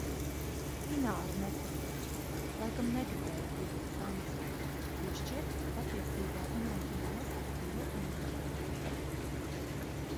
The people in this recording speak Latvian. Ināra neprata, laikam negribēja piedot sānsoli, jo šķiet patiesībā Imantu nemaz tik ļoti nemīlēja.